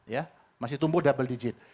ya masih tumbuh double digit